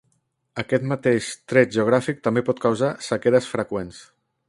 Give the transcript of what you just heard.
Aquest mateix tret geogràfic també pot causar sequeres freqüents.